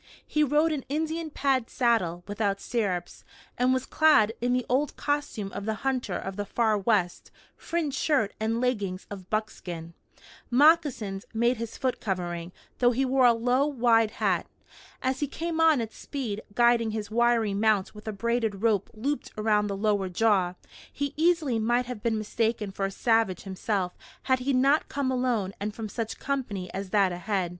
He rode an Indian pad saddle, without stirrups, and was clad in the old costume of the hunter of the Far West fringed shirt and leggings of buckskin. Moccasins made his foot covering, though he wore a low, wide hat. As he came on at speed, guiding his wiry mount with a braided rope looped around the lower jaw, he easily might have been mistaken for a savage himself had he not come alone and from such company as that ahead.